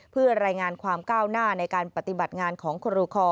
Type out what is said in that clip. เพื่อรายงานความก้าวหน้าในการปฏิบัติงานของครูคอ